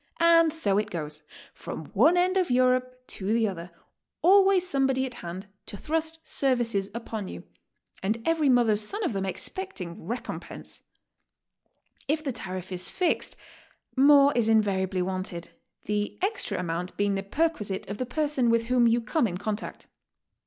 And so it goes, from one end of Europe to the other, always somebody at 'hand to thrust ser vices upon you, and every mother's son of them expecting 170 GOING ABROAD? recompense. If the tariff is fixed, more is invariably wanted, the exfra amount being the perquisite of the person with whom you come in contact.